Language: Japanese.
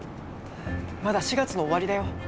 まだ４月の終わりだよ？